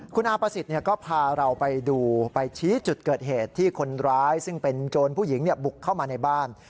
คุณอาประสิทธิ์ก็พาเราไปดูไปชี้จุดเกิดเหตุที่คนร้ายซึ่งเป็นโจรผู้หญิงบุกเข้ามาในบ้าน